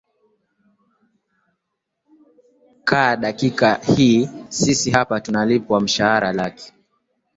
ka dakika hii sisi hapa tunalipwa mshahara laki